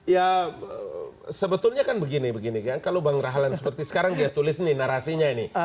ya sebetulnya kan begini kalau bang rahlan seperti sekarang dia tulis narasinya ini